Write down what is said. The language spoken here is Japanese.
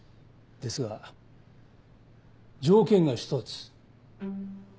ですが条件が一つ。